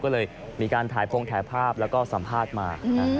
ก็เลยมีการถ่ายพงถ่ายภาพแล้วก็สัมภาษณ์มา